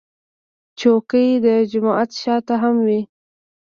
چوکۍ د جومات شا ته هم وي.